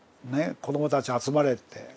子どもたち集まれって。